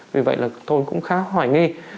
vì vậy là tôi cũng khá hoài nghi